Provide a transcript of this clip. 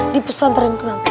dipesan terin kenang